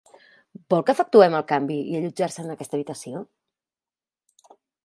Vol que efectuem el canvi i allotjar-se en aquesta habitació?